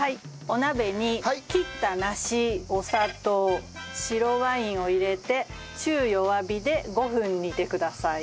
お鍋に切った梨お砂糖白ワインを入れて中弱火で５分煮てください。